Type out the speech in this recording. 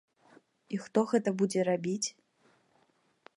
І хто гэта будзе рабіць?